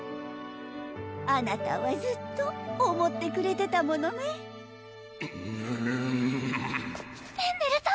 あなたはずっと思ってくれてたものねウウウウフェンネルさん！